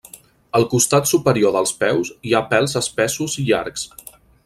Al costat superior dels peus hi ha pèls espessos i llargs.